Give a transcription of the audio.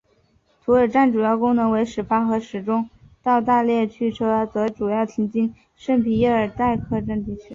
图尔站主要功能为始发和终到大区列车则主要经停圣皮耶尔代科尔站。